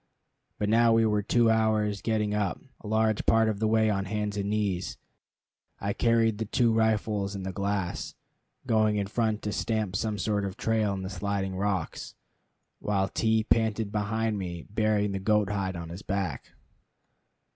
But now we were two hours getting up, a large part of the way on hands and knees. I carried the two rifles and the glass, going in front to stamp some sort of a trail in the sliding rocks, while T panted behind me, bearing the goat hide on his back.